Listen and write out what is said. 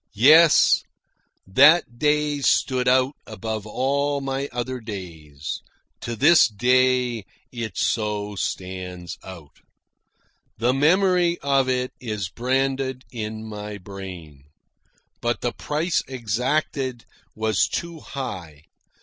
Yes, that day stood out above all my other days. To this day it so stands out. The memory of it is branded in my brain. But the price exacted was too high.